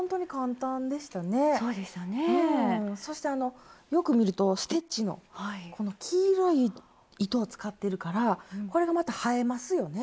そしてあのよく見るとステッチのこの黄色い糸を使ってるからこれがまた映えますよね